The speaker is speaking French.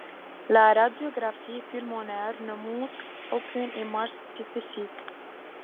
La radiographie pulmonaire ne montre aucune image spécifique.